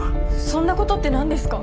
そんなことって何ですか！？